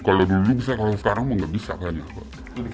kalau dulu bisa kalau sekarang nggak bisa kayaknya pak